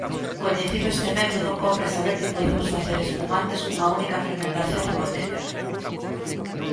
Coñecido este método, cómpre saber que podemos facer espumantes cunha única fermentación en botella.